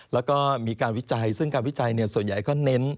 แล้วก็มีการวิจัยซึ่งการวิจัยส่วนใหญ่ก็เน้น